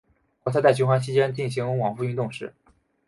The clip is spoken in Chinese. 活塞在循环期间进行往复运动时。